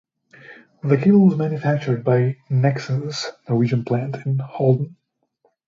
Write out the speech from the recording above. The cable was manufactured by Nexans Norwegian plant in Halden.